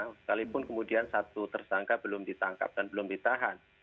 sekalipun kemudian satu tersangka belum ditangkap dan belum ditahan